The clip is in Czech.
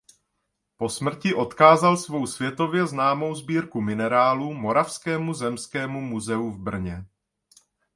Po smrti odkázal svou světově známou sbírku minerálů Moravskému zemskému muzeu v Brně.